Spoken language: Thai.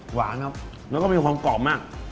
หวานครับแล้วก็มีความกรอบมาก